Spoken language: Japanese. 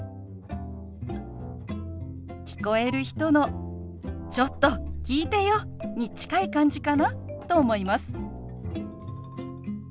聞こえる人の「ちょっと聞いてよ」に近い感じかなと思います。